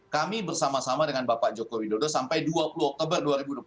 kami bersama sama dengan bapak joko widodo sampai dua puluh oktober dua ribu dua puluh tiga